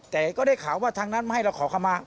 แต่ก็ได้ข่าวว่าทางนั้นมาให้เราขอคำมา